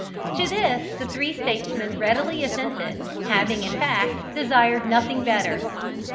To this the three statesmen readily assented, having, in fact, desired nothing better.